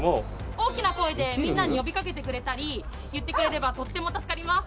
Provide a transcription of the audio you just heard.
大きな声でみんなに呼びかけてくれたり言ってくれればとっても助かります！